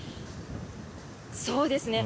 そうですね。